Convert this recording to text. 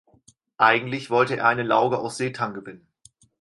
Eigentlich wollte er eine Lauge aus Seetang gewinnen.